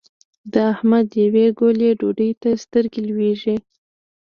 د احمد يوې ګولې ډوډۍ ته سترګې لوېږي.